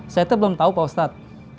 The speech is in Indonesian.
saya belum tahu pak ustadz